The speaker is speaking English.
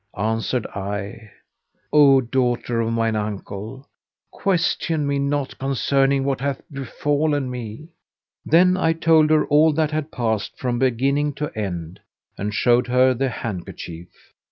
Answered I, "O daughter of mine uncle, question me not concerning what hath befallen me."[FN#487] Then I told her all that had passed from beginning to end, and showed her the handkerchief.